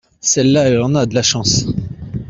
celle-là elle en a de la chance.